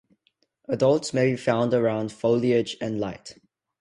Adults may be found around foliage and light.